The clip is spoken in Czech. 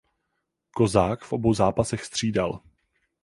Kozák v obou zápasech střídal.